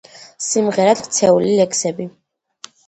სიმღერად ქცეული ლექსები.